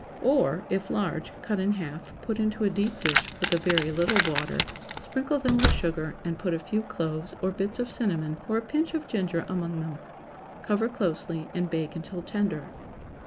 Or, If large, cut in half, put into a deep dish, with a very little water; sprinkle them with sugar, and put a few cloves, or bits of cinnamon, or a pinch of ginger among them. Cover closely, and bake until tender.